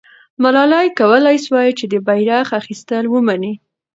ملالۍ کولای سوای چې د بیرغ اخیستل ومني.